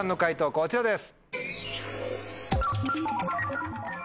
こちらです。